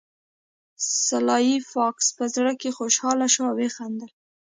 سلای فاکس په زړه کې خوشحاله شو او وخندل